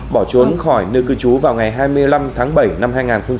bỏ trốn khỏi nơi cư trú vào ngày hai mươi năm tháng bảy năm hai nghìn một mươi chín